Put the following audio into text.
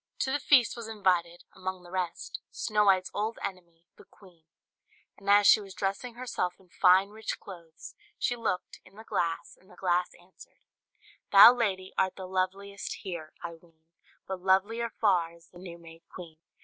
To the feast was invited, among the rest, Snow White's old enemy, the queen; and as she was dressing herself in fine, rich clothes, she looked, in the glass, and the glass answered, "Thou, lady, art the loveliest here, I ween; But lovelier far is the new made queen."